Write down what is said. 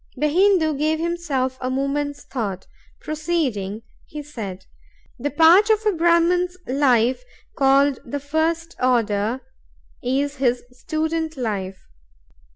The Hindoo gave himself a moment's thought; proceeding, he said: "The part of a Brahman's life called the first order is his student life.